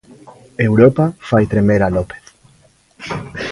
Europa fai tremer a López.